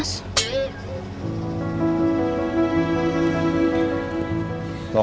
kasih até lagi